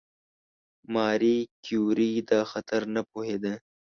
ماري کیوري دا خطر نه پوهېده.